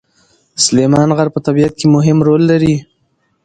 سلیمان غر په طبیعت کې مهم رول لري.